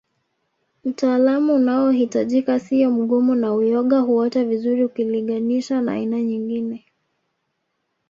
Utaalamu unaohitajika siyo mgumu na uyoga huota vizuri ukiliganisha na aina nyingine